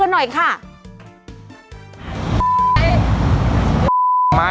แล้วทำไมอะ